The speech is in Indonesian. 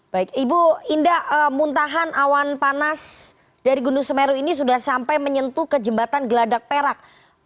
baik ibu indah muntahan awan panas dari gunung semeru ini sudah sampai menyentuh ke jembatan geladak perak